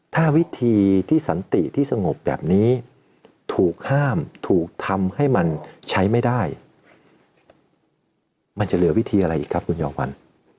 ถ้าวิธีที่สันติที่สงบแบบนี้ถูกห้ามถูกทำให้มันใช้ไม่ได้มันจะเหลือวิธีอะไรอีกครับคุณจอวัน